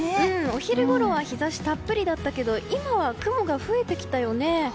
お昼ごろは日差したっぷりだったけど今は雲が増えてきたよね。